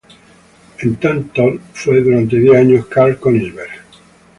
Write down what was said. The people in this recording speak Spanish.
En "Tatort" fue durante diez años Karl Königsberg.